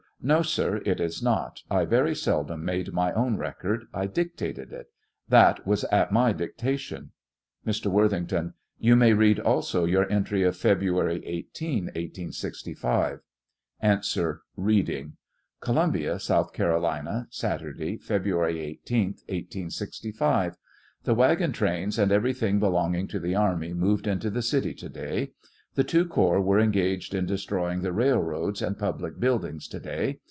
No, sir, it is not ; 1 very seldom made my own record, I dictated it ; that was at my dictation. Mr. Worthington : You may read also your entry of February 18, 1865. A. (Eeading :) Columbia, South Carolina, Saturday, February 18, 1865. The wagon trains and everything belonging to the army mbved into the city to day. The two corps are engaged in destroying the rail roads and public buildings to day.